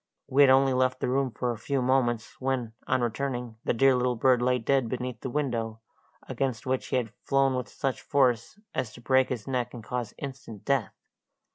We had only left the room for a few moments, when, on returning, the dear little bird lay dead beneath the window, against which he had flown with such force as to break his neck and cause instant death.